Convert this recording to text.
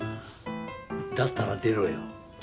だったら出ろよ。